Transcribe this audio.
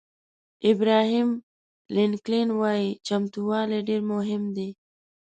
ابراهیم لینکلن وایي چمتووالی ډېر مهم دی.